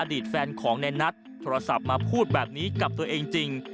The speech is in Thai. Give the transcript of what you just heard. ตแฟนของในนัทโทรศัพท์มาพูดแบบนี้กับตัวเองจริง